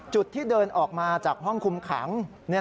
จุดที่เดินออกมาจากห้องคุมขัง